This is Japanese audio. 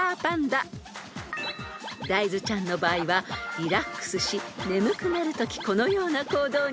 ［ダイズちゃんの場合はリラックスし眠くなるときこのような行動に］